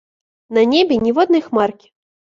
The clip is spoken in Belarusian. На небе ніводнай хмаркі.